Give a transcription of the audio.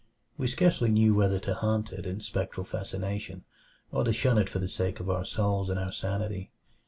We scarcely knew whether to haunt it in spectral fascination, or to shun it for the sake of our souls and our sanity.